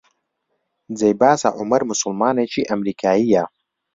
جێی باسە عومەر موسڵمانێکی ئەمریکایییە